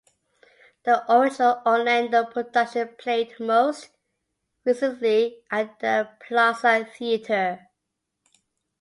The original Orlando production played most recently at the Plaza Theatre.